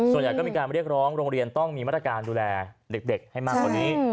ส่วนใหญ่ก็มีการเรียกร้องโรงเรียนต้องมีมาตรการดูแลเด็กให้มากกว่านี้